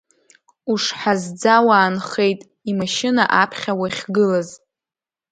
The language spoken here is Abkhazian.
Ушҳазӡа уаанхеит имашьына аԥхьа уахьгылаз.